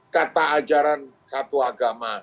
kata ajaran satu agama